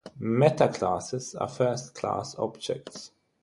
Metaclasses are first class objects.